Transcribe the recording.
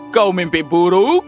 kau mimpi buruk